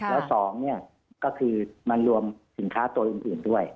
และสองเนี่ยมันรวมสินค้าตัวอื่นด้วย